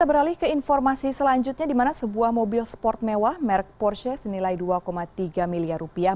kita beralih ke informasi selanjutnya di mana sebuah mobil sport mewah merk porsche senilai dua tiga miliar rupiah